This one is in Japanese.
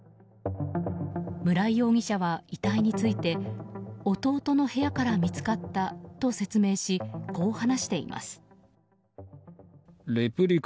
村井容疑者は遺体について弟の部屋から見つかったと説明しこう話しています。